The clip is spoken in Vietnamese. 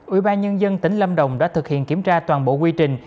ubnd tỉnh lâm đồng đã thực hiện kiểm tra toàn bộ quy trình